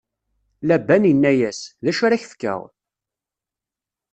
Laban inna-yas: D acu ara k-fkeɣ?